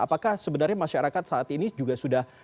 apakah sebenarnya masyarakat saat ini juga sudah